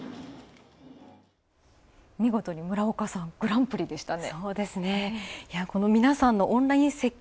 見事に村岡さんグランプリでしたね。